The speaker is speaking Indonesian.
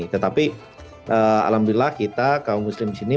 tetapi alhamdulillah kita kaum muslim di sini